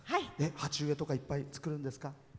鉢植えとかいっぱい作るんですか？